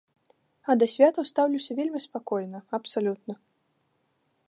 А да святаў стаўлюся вельмі спакойна, абсалютна.